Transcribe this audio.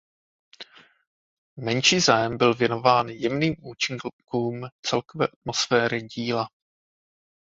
Menší zájem byl věnován jemným účinkům celkové atmosféry díla.